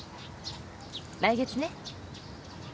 来月ね。